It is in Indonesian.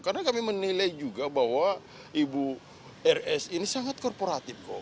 karena kami menilai juga bahwa ibu r s ini sangat korporatif kok